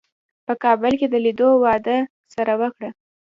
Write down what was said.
په کابل کې د لیدو وعده سره وکړه.